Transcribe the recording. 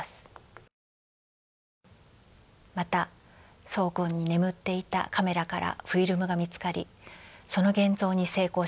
また倉庫に眠っていたカメラからフィルムが見つかりその現像に成功しました。